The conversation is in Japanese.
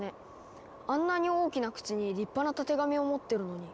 あんなに大きな口に立派なたてがみを持ってるのに。